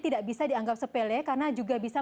tidak bisa dianggap sepele karena juga bisa